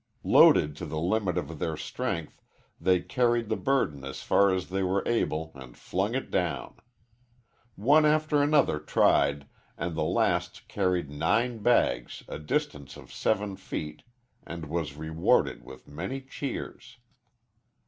Loaded to the limit of their strength, they carried the burden as far as they were able and flung it down. One after another tried, and the last carried nine bags a distance of seven feet and was rewarded with many cheers.